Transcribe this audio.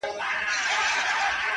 o زه درته دعا سهار ماښام كوم؛